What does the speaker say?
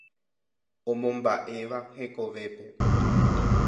Omomba'éva hekovépe.